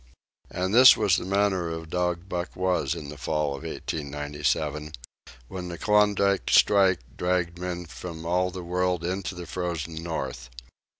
And this was the manner of dog Buck was in the fall of 1897, when the Klondike strike dragged men from all the world into the frozen North.